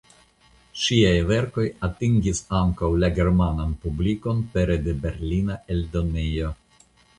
Ŝiaj verkoj atingis ankaŭ la germanan publikon pere de berlina eldonejo.